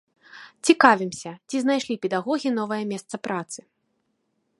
Цікавімся, ці знайшлі педагогі новае месца працы.